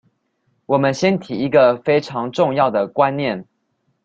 我們先提一個非常重要的觀念